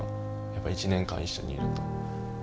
やっぱり１年間一緒にいると。